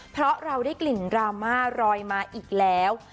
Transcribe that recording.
เพราะเราได้กลิ่นดราม่ารอยมาอีกแล้ว